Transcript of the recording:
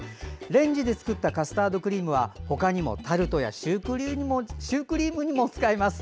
レンジで作ったカスタードクリームは他にも、タルトやシュークリームにも使えます。